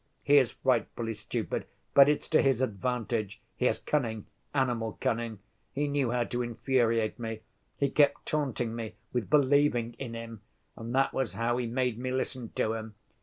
He is frightfully stupid; but it's to his advantage. He has cunning, animal cunning—he knew how to infuriate me. He kept taunting me with believing in him, and that was how he made me listen to him.